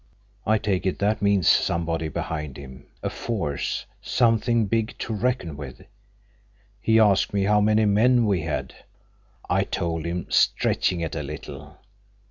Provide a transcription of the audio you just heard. I take it that means somebody behind him, a force, something big to reckon with. He asked me how many men we had. I told him, stretching it a little.